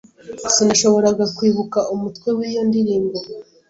Sinashoboraga kwibuka umutwe w'iyo ndirimbo.